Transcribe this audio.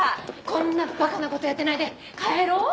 こんなばかなことやってないで帰ろう！